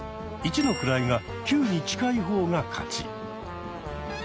１の位が９に近い方が勝ち。